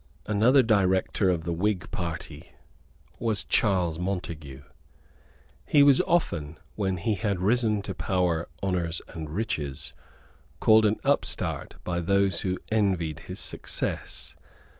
Another director of the Whig party was Charles Montague. He was often, when he had risen to power, honours and riches, called an upstart by those who envied his success.